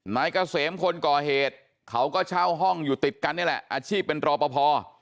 นายเกษมคนก่อเหตุเขาก็เช่าห้องอยู่ติดกันนี่แหละอาชีพเป็นรอปภ